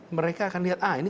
mereka akan lihat ah ini